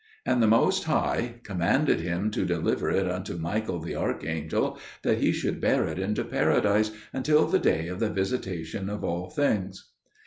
And the Most High commanded him to deliver it unto Michael the archangel, that he should bear it into Paradise until the day of the visitation of all things.